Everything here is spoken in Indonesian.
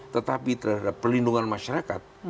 tetapi terhadap pelindungan masyarakat